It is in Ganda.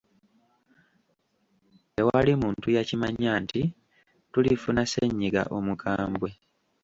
Tewali muntu yakimanya nti tulifuna ssennyiga omukambwe.